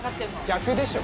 逆でしょ？